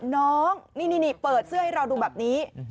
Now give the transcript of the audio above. น้องนี่เปิดเสื้อให้เราดูแบบนี้